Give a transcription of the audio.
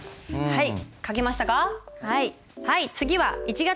はい。